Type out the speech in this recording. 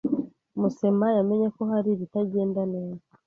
Musema yamenye ko hari ibitagenda neza.